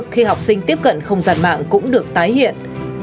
khi học sinh tiếp cận không gian mạng cũng được tái hiện